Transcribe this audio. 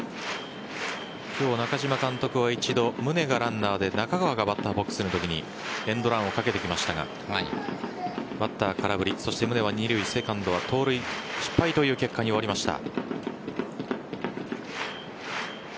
今日中嶋監督は一度、宗がランナーで中川がバッターボックスのときにエンドランをかけてきましたがバッター、空振りそして宗は二塁へ盗塁失敗という結果に終わりました。